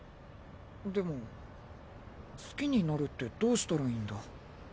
でも好きになるってどうしたらいいんだ？